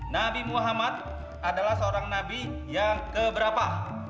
nabi muhammad adalah seorang nabi yang keberapa